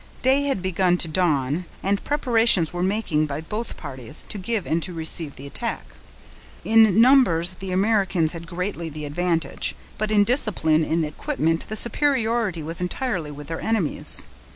Day had begun to dawn, and preparations were making by both parties, to give and to receive the attack. In numbers the Americans had greatly the advantage; but in discipline and equipment the superiority was entirely with their enemies.